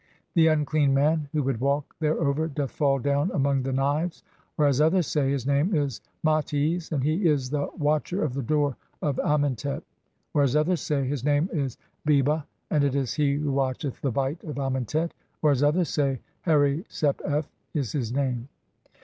The unclean man who would walk thereover doth fall down among the knives ; or (as others say), His name is "Mates", 3 (44) and he is the Watcher of the door of Amentet ; or (as others say), His name is "Beba" and it is he who watcheth the Bight of Amentet ; or (as others say), "Heri sep f" is his name.